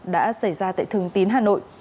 đã xảy ra tại thường tín hà nội